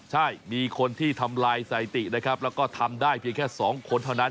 ใช่มีคนที่ทำลายสถิตินะครับแล้วก็ทำได้เพียงแค่๒คนเท่านั้น